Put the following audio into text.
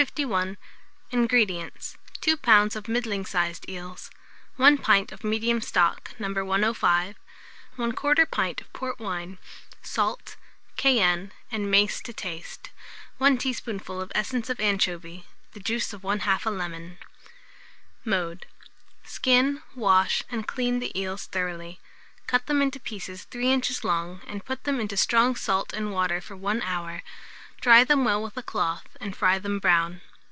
251. INGREDIENTS. 2 lbs. of middling sized eels, 1 pint of medium stock, No. 105, 1/4 pint of port wine; salt, cayenne, and mace to taste; 1 teaspoonful of essence of anchovy, the juice of 1/2 a lemon. Mode. Skin, wash, and clean the eels thoroughly; cut them into pieces 3 inches long, and put them into strong salt and water for 1 hour; dry them well with a cloth, and fry them brown.